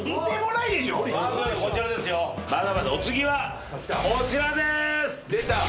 まだまだお次はこちらです。